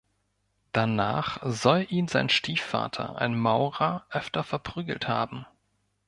Danach soll ihn sein Stiefvater, ein Maurer, öfter verprügelt haben.